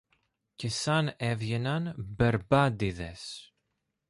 Και σαν έβγαιναν μπερμπάντηδες